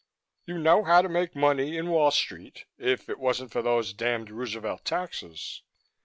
You know how to make money in Wall Street, if it wasn't for those damned Roosevelt taxes.